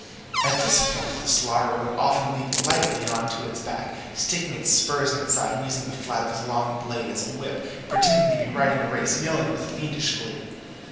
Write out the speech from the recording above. At this point the slaughterer would often leap lightly on to its back, stick his spurs in its sides, and, using the flat of his long knife as a whip, pretend to be riding a race, yelling with fiendish glee.